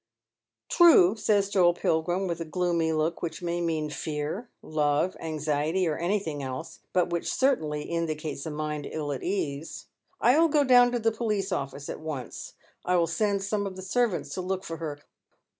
" True," says Joel Pilgrim, with a gloomy look which may mean fear, love, anxiety, or anything else, but which certainly indicates a mind ill at ease. " I will go down to the poHce of&ce at once. I will send some of the servants to look for her."